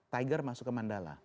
tiger masuk ke mandala